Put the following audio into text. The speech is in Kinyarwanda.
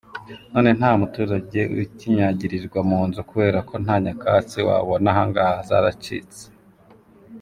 none nta muturage ukinyagirirwa mu nzu kubera ko nta nyakatsi wabona ahangaha, zaracyitse.